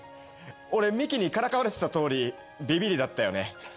俺ミキにからかわれてたとおりビビりだったよね。